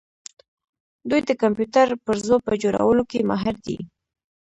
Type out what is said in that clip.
دوی د کمپیوټر پرزو په جوړولو کې ماهر دي.